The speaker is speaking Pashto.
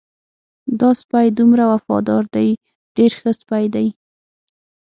دا سپی دومره وفادار دی ډېر ښه سپی دی.